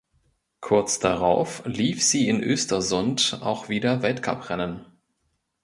Kurz darauf lief sie in Östersund auch wieder Weltcuprennen.